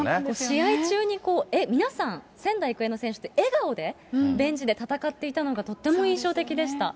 試合中に、皆さん、仙台育英の選手って笑顔で、ベンチで戦っていたのがとても印象的でした。